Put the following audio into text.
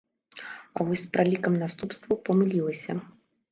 А вось з пралікам наступстваў памылілася.